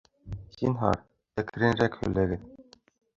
Зинһар, әкренерәк һөйләгеҙ